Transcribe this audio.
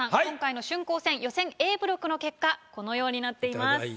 今回の春光戦予選Ａブロックの結果このようになっています。